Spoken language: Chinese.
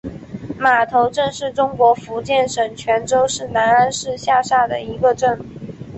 码头镇是中国福建省泉州市南安市下辖的一个镇。